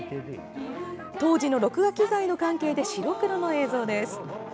当時の録画機材の関係で白黒の映像です。